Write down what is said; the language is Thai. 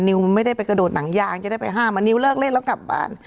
ไม่ได้ไปกระโดดหนังยางจะได้ไปห้ามมานิวเลิกเล่นแล้วกลับบ้าน